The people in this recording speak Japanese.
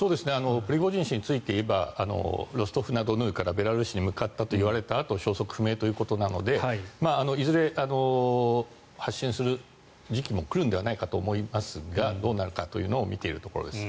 プリゴジン氏について言えば、ロストフナドヌーからベラルーシに向かったといわれたあと消息不明ということなのでいずれ発信する時期も来るのではないかと思いますがどうなるかというのを見ているところです。